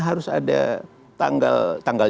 harus ada tanggal